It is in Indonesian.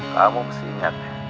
kamu mesti ingat ya